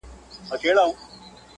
ډیري پیسې مصرف او ډیر انتظار وکړي